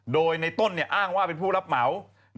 โดยในต้นอ้างว่าเป็นผู้รับเหมา